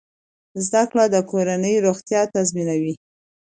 زده کړه د کورنۍ روغتیا تضمینوي۔